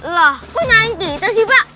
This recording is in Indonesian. lah kok nyaliin kita sih pak